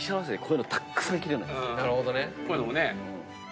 こういうのもね。